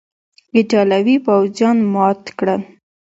ایټالوي پوځیان مات کړل.